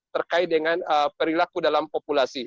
terkait dengan perilaku dalam populasi